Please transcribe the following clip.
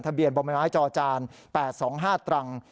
ทะเบียนบ่มไม้ไม้จอจาน๘๒๕ตรัง